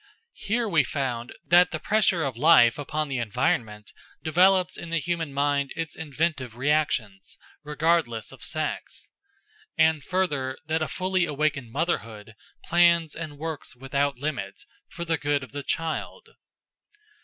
Here we found that the pressure of life upon the environment develops in the human mind its inventive reactions, regardless of sex; and further, that a fully awakened motherhood plans and works without limit, for the good of the child.